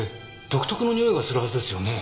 独特のにおいがするはずですよね？